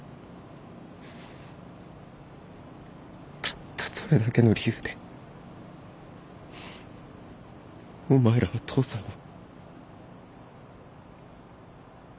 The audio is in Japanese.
たったそれだけの理由でお前らは父さんを。